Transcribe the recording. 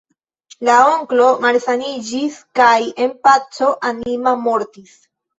La onklo malsaniĝis kaj en paco anima mortis.